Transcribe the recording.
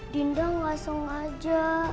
dinda gak sengaja